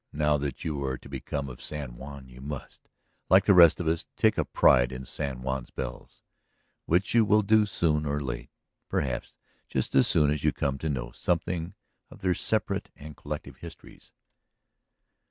Now that you are to become of San Juan you must, like the rest of us, take a pride in San Juan's bells. Which you will do soon or late; perhaps just as soon as you come to know something of their separate and collective histories."